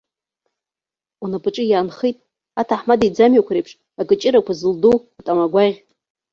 Унапаҿы иаанхеит, аҭаҳмада иӡамҩақәа реиԥш, акыҷырақәа зылдоу атама агәаӷь.